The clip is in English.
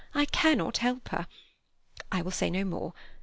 I cannot help her. I will say no more.